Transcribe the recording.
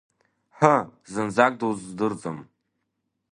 Ҳы, зынӡак дуздырӡом?